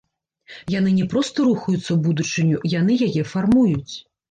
Яны не проста рухаюцца ў будучыню, яны яе фармуюць.